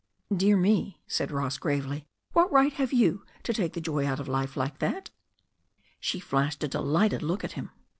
"Dear me," said Ross gravely. "What right have you to take the joy out of life that way?" She flashed a delighted look at him.